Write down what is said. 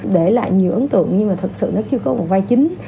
để lại nhiều ấn tượng nhưng mà thật sự nó chưa có một vai chính